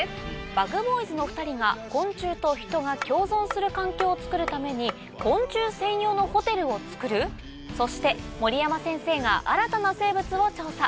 ＢｕｇＢｏｙｓのお２人が昆虫と人が共存する環境をつくるために昆虫専用のホテルを作る⁉そして守山先生が新たな生物を調査。